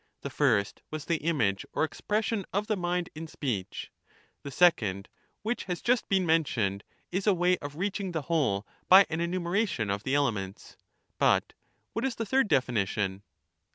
The first was the image or expression of the mind in speech ; the second, which has just been mentioned, is a way of reach ing the whole by an enumeration of the elements. But what is the third definition